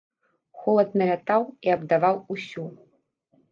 Холад налятаў і абдаваў усю.